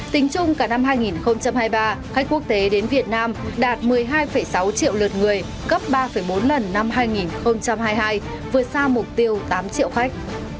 tính chung cả năm hai nghìn hai mươi ba khách quốc tế đến việt nam đạt một mươi hai sáu triệu lượt người gấp ba bốn lần năm hai nghìn hai mươi hai vượt xa mục tiêu tám triệu khách